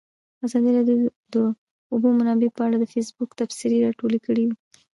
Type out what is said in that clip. ازادي راډیو د د اوبو منابع په اړه د فیسبوک تبصرې راټولې کړي.